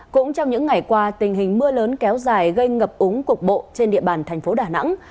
cũng trong những ngày qua tình hình mưa lớn kéo dài gây ngập úng cục bộ trên địa bàn thành phố đà nẵng